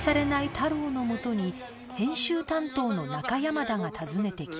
太郎のもとに編集担当の中山田が訪ねてきた